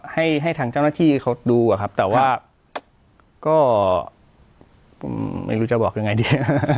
ให้ให้ทางเจ้าหน้าที่เขาดูอะครับแต่ว่าก็ผมไม่รู้จะบอกยังไงดี